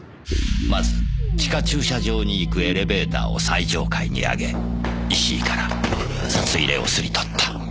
まず地下駐車場に行くエレベーターを最上階に上げ石井から札入れを掏り取った。